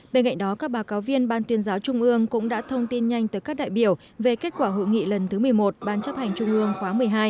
bên cạnh đó các báo cáo viên ban tuyên giáo trung ương cũng đã thông tin nhanh tới các đại biểu về kết quả hội nghị lần thứ một mươi một ban chấp hành trung ương khóa một mươi hai